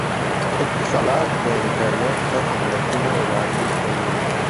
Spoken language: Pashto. اتصالات د انترنت ښه خدمتونه وړاندې کوي.